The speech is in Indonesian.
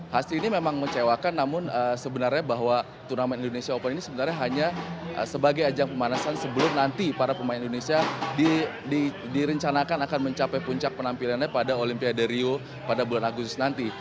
hasil ini memang mencewakan namun sebenarnya bahwa turnamen indonesia open ini sebenarnya hanya sebagai ajang pemanasan sebelum nanti para pemain indonesia direncanakan akan mencapai puncak penampilannya pada olimpiade rio pada bulan agustus nanti